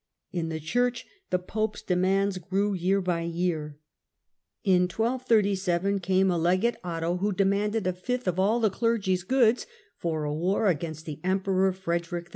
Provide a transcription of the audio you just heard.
In the church the pope*s demands grew year by year. In 1237 The Pope»» ca™^ ^ legate Otto, who demanded a fifth of demai«u on all the clergy*s goods for a war against the "'*"* Emperor Frederick II.